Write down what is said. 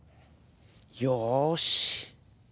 「よし。